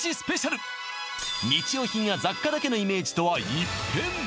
日用品や雑貨だけのイメージとは一変！